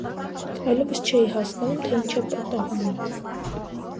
Այլևս չէի հասկանում, թե ինչ է պատահում ինձ.